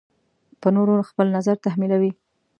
په نورو خپل نظر تحمیلوي.